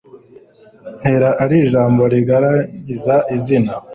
ntera ari ijambo rigaragira izina